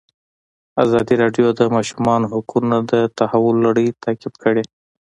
ازادي راډیو د د ماشومانو حقونه د تحول لړۍ تعقیب کړې.